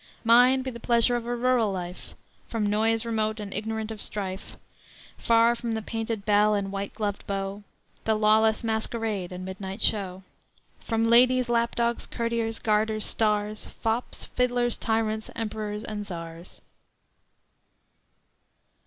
Mine be the pleasure of a rural life, From noise remote and ignorant of strife, Far from the painted belle and white gloved beau, The lawless masquerade and midnight show; From ladies, lap dogs, courtiers, garters, stars, Fops, fiddlers, tyrants, emperors, and czars."